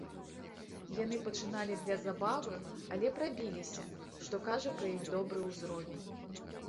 Яны пачыналі для забавы, але прабіліся, што кажа пра іх добры ўзровень.